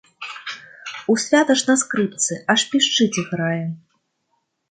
У свята ж на скрыпцы, аж пішчыць, іграе.